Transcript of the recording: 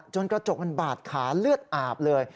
กระจกมันบาดขาเลือดอาบเลย